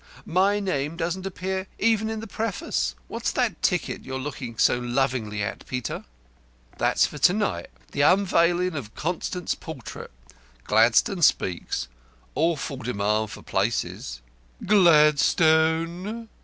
My name doesn't appear even in the Preface. What's that ticket you're looking so lovingly at, Peter?" "That's for to night the unveiling of Constant's portrait. Gladstone speaks. Awful demand for places." "Gladstone!"